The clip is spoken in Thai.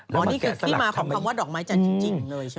นี่คือที่มาของคำว่าดอกไม้จันทร์จริงเลยใช่ไหม